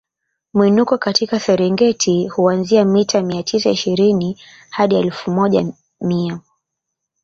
Mwinuko katika Serengeti huanzia mita mia tisa ishirini hadi elfu moja mia